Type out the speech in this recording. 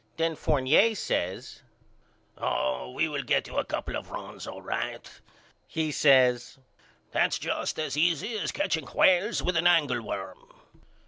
Then Fournier says Oh we will get you a couple of runs all right. He says That's just as easy as catching whales with a angleworm.